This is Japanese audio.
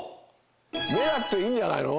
・目だっていいんじゃないの？